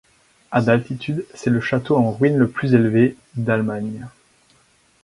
À d'altitude, c'est le château en ruines le plus élevé d'Allemagne.